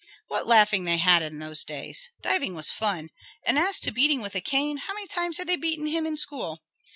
What laughing they had in those days! Diving was fun. And as to beating with a cane, how many times had they beaten him in school?